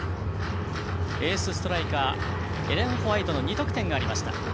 エースストライカーエレン・ホワイトの２得点がありました。